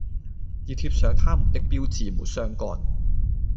要貼上它們的標誌沒相干